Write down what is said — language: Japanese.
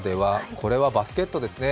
これはバスケットですね。